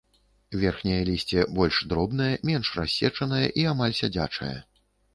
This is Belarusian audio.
Верхняе лісце больш дробнае, менш рассечанае і амаль сядзячае.